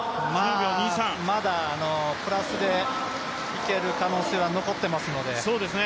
まだプラスでいける可能性は残ってますので。